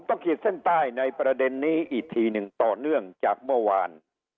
ขีดเส้นใต้ในประเด็นนี้อีกทีหนึ่งต่อเนื่องจากเมื่อวาน